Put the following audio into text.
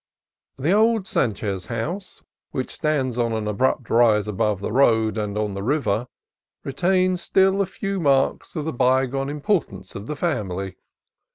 The old Sanchez house, which stands on an abrupt rise above the road and the river, retains still a few marks of the bygone importance of the family.